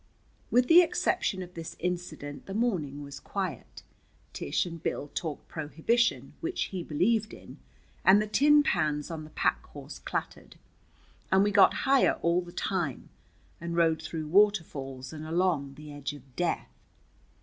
With the exception of this incident the morning was quiet. Tish and Bill talked prohibition, which he believed in, and the tin pans on the pack horse clattered, and we got higher all the time, and rode through waterfalls and along the edge of death.